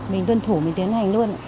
mình tuân thủ mình tiến hành luôn